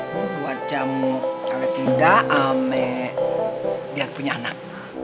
buat jamu kalau tidak ame biar punya anak